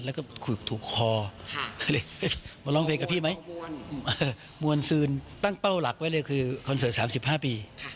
แล้วก็ขวิกถูกคอมาร้องเพลงกับพี่ไหมมวลซืนตั้งเป้าหลักไว้เลยคือคอนเสิร์ต๓๕ปี